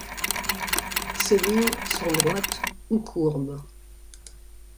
Ces lignes sont droites ou courbes.